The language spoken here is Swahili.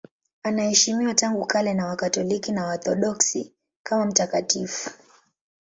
Anaheshimiwa tangu kale na Wakatoliki na Waorthodoksi kama mtakatifu.